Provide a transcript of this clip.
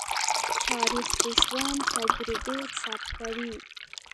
تاریخ د ژوند تجربې ثبتوي.